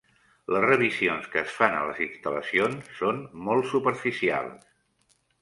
Les revisions que es fan a les instal·lacions són molt superficials.